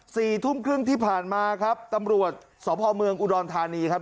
สี่ทุ่มครึ่งที่ผ่านมาครับตำรวจสพเมืองอุดรธานีครับ